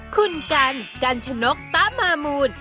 คุณกันกัญชนกตะมามูล